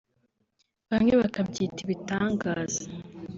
bamwe bakabyita ibitangaza